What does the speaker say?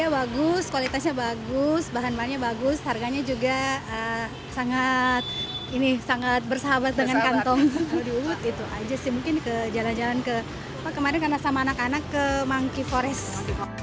kalau di ubud itu saja sih mungkin jalan jalan ke kemarin kan sama anak anak ke monkey forest